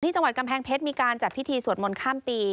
จังหวัดกำแพงเพชรมีการจัดพิธีสวดมนต์ข้ามปี